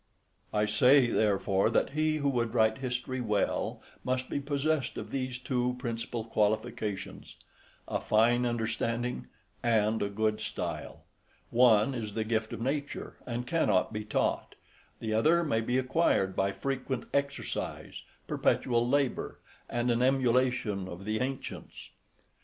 I say, therefore, that he who would write history well must be possessed of these two principal qualifications, a fine understanding and a good style: one is the gift of nature, and cannot be taught; the other may be acquired by frequent exercise, perpetual labour and an emulation of the ancients.